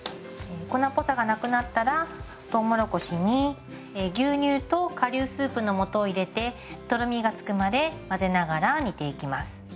粉っぽさがなくなったらとうもろこしに牛乳と顆粒スープの素を入れてとろみがつくまで混ぜながら煮ていきます。